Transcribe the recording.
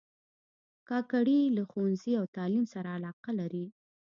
کاکړي له ښوونځي او تعلیم سره علاقه لري.